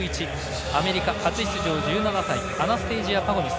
アメリカ初出場１７歳アナステイジア・パゴニス